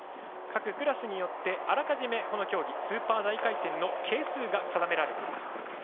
各クラスによってあらかじめ、この競技スーパー大回転の係数が定められています。